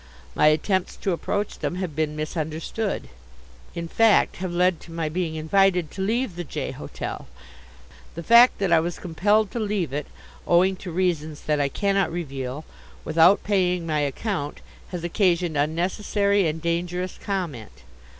My attempts to approach them have been misunderstood in fact, have led to my being invited to leave the J. hotel. The fact that I was compelled to leave it, owing to reasons that I cannot reveal, without paying my account, has occasioned unnecessary and dangerous comment.